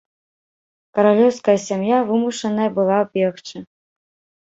Каралеўская сям'я вымушаная была бегчы.